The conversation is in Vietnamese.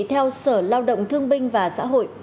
theo sở lao động thương binh và xã hội